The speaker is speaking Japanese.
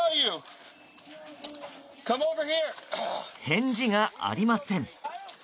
返事がありません。